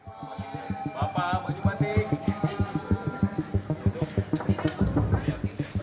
bapak mau jumpa nih